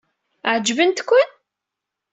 Ɛeǧbent-ken?